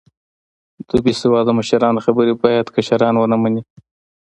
د بیسیواده مشرانو خبرې باید کشران و نه منې